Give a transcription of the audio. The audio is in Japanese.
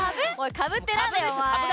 かぶってなんだよ！